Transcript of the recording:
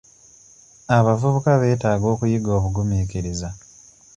Abavubuka beetaaga okuyiga obugumiikiriza.